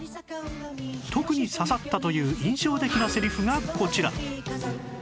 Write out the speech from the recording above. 特に刺さったという印象的なセリフがこちら！